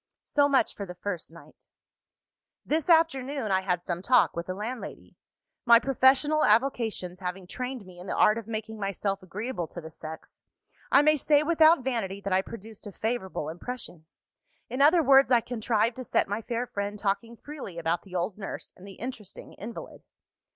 "So much for the first night. "This afternoon, I had some talk with the landlady. My professional avocations having trained me in the art of making myself agreeable to the sex, I may say without vanity that I produced a favourable impression. In other words, I contrived to set my fair friend talking freely about the old nurse and the interesting invalid.